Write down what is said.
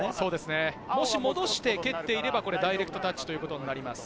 戻して蹴っていればダイレクトタッチとなります。